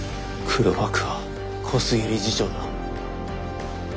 黒幕は小菅理事長だ。